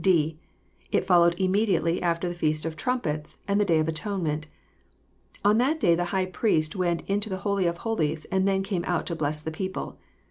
(d.) It followed immediately after the feast of trumpets, and the day of atonement. On that day the High Priest went into the holy of holies and then came out to bless the people.